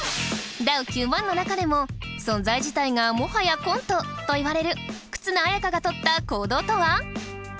ダウ９００００の中でも「存在自体がもはやコント」と言われる忽那文香がとった行動とは？